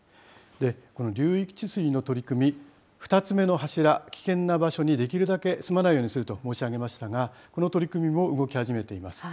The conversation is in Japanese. この流域治水の取り組み、２つ目の柱、危険な場所にできるだけ住まないようにすると申し上げましたが、この取り組みも動き始めています。